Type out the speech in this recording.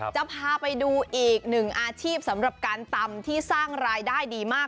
จะพาไปดูอีกหนึ่งอาชีพสำหรับการตำที่สร้างรายได้ดีมาก